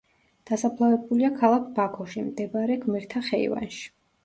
დასაფლავებულია ქალაქ ბაქოში მდებარე გმირთა ხეივანში.